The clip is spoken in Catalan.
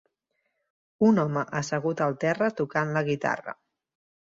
Un home assegut al terra tocant la guitarra.